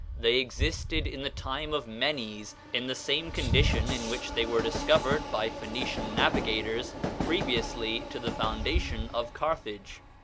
They existed in the time of Menes in the same condition in which they were discovered by Phoenician navigators previously to the foundation of Carthage.